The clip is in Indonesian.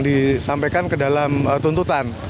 disampaikan ke dalam tuntutan